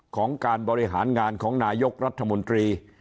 ของการบริหารงานของนายกรัฐมนตรี